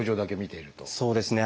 そうですね。